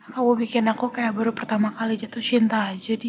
kamu bikin aku kayak baru pertama kali jatuh cinta aja